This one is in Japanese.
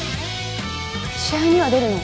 試合には出るの？